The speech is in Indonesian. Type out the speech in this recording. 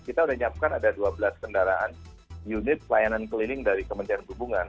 kita sudah menyiapkan ada dua belas kendaraan unit pelayanan keliling dari kementerian perhubungan